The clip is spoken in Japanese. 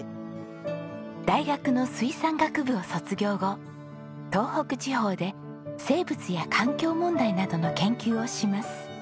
大学の水産学部を卒業後東北地方で生物や環境問題などの研究をします。